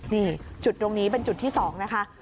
นี่จุดตรงนี้เป็นจุดที่๒นะคะ